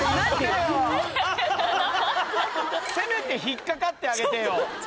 せめて引っ掛かってあげてよ。